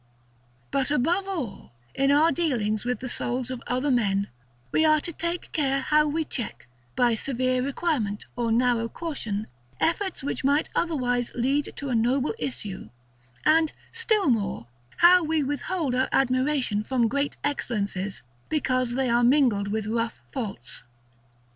But, above all, in our dealings with the souls of other men, we are to take care how we check, by severe requirement or narrow caution, efforts which might otherwise lead to a noble issue; and, still more, how we withhold our admiration from great excellences, because they are mingled with rough faults.